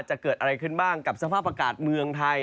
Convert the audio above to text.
จะเกิดอะไรขึ้นบ้างกับสภาพอากาศเมืองไทย